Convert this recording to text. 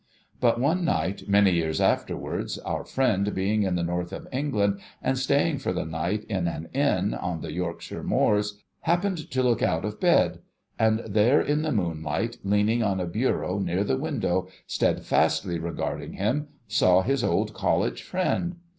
But, one night, many years afterwards, our friend being in the North of England, and staying for the night in an inn, on the Yorkshire Moors, happened to look out of bed ; and there, in the moonlight, leaning on a bureau near the window, steadfastly regarding him, saw his old college friend